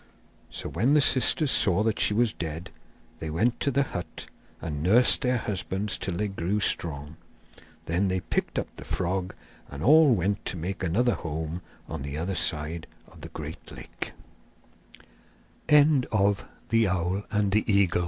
So when the sisters saw that she was dead they went to the hut, and nursed their husbands till they grew strong. Then they picked up the frog, and all went to make another home on the other side of the great l